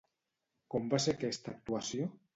Com va ser aquesta actuació?